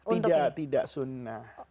tidak tidak sunnah